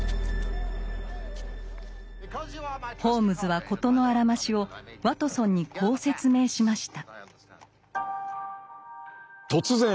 ホームズは事のあらましをワトソンにこう説明しました。